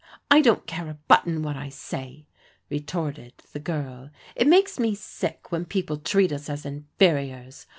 I don't care a button what I say," retorted the girl. It makes me sick when people treat us as inferiors.